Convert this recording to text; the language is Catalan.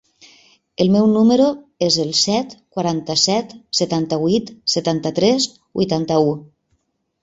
El meu número es el set, quaranta-set, setanta-vuit, setanta-tres, vuitanta-u.